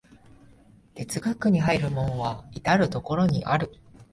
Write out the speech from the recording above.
哲学に入る門は到る処にある。